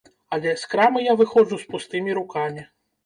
Але з крамы я выходжу з пустымі рукамі.